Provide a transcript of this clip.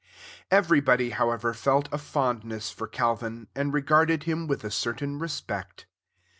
Everybody, however, felt a fondness for Calvin, and regarded him with a certain respect.